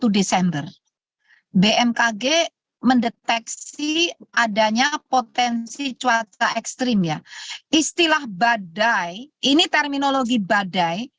satu desember bmkg mendeteksi adanya potensi cuaca ekstrim ya istilah badai ini terminologi badai